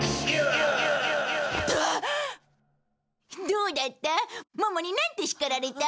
どうだった？